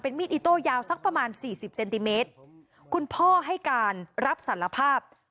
มีดอิโต้ยาวสักประมาณสี่สิบเซนติเมตรคุณพ่อให้การรับสารภาพ